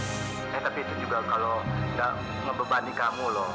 eh tapi itu juga kalau gak ngebebani kamu loh